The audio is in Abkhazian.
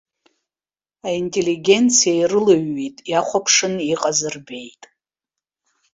Аинтеллигенциа ирылаҩҩит, иахәаԥшын иҟаз рбеит.